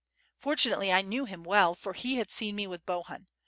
Fortunately 1 knew him well, for he had seen me with Bohun.